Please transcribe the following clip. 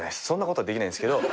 そんなことはできないんすけど。